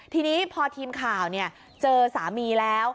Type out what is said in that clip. ทีนี้พอทีมข่าวเจอสามีแล้ว